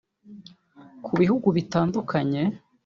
Ku bihugu bitandukanye